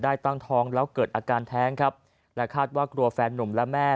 ตั้งท้องแล้วเกิดอาการแท้งครับและคาดว่ากลัวแฟนนุ่มและแม่